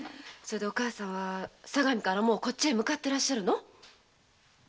でお母さんは相模からこっちへ向かってらっしゃるの？